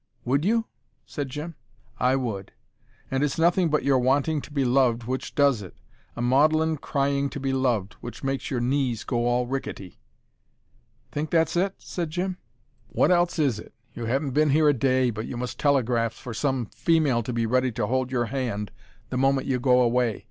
"Would you?" said Jim. "I would. And it's nothing but your wanting to be loved which does it. A maudlin crying to be loved, which makes your knees all go rickety." "Think that's it?" said Jim. "What else is it. You haven't been here a day, but you must telegraph for some female to be ready to hold your hand the moment you go away.